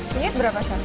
kunyit berapa chef